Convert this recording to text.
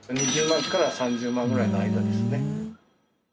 ２０万から３０万ぐらいの間ですね。